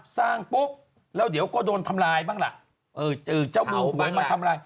สร้างปุ๊บแล้วเดี๋ยวก็โดนทำลายบ้างล่ะ